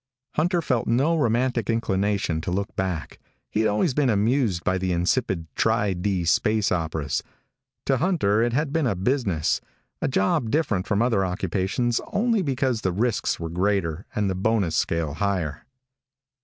Hunter felt no romantic inclination to look back. He had always been amused by the insipid, Tri D space operas. To Hunter it had been a business a job different from other occupations only because the risks were greater and the bonus scale higher.